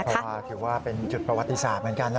เพราะว่าถือว่าเป็นจุดประวัติศาสตร์เหมือนกันนะ